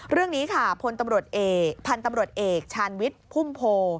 เรื่องนี้พันธ์ตำรวจเอกชานวิทพุ่มโพ